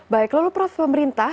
baik lho prof pemerintah